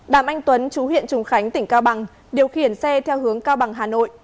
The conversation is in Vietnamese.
đàm anh tuấn chú huyện trùng khánh tỉnh cao bằng điều khiển xe theo hướng cao bằng hà nội